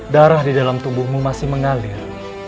darah di dalam tubuhmu masih mengalir